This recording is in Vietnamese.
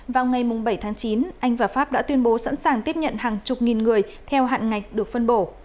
vào ngày bảy tháng chín anh và pháp đã tuyên bố sẵn sàng tiếp nhận hàng chục nghìn người theo hạn ngạch được phân bổ